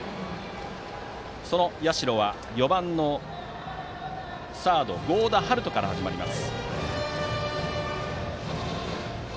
その社は４番のサード合田華都から始まります。